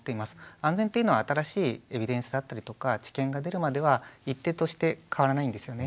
「安全」っていうのは新しいエビデンスであったりとか知見が出るまでは一定として変わらないんですよね。